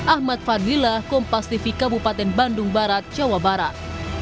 ahmad fadlila kompas tv kabupaten bandung barat jawa barat